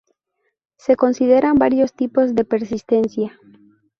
Se consideran varios tipos de persistencia.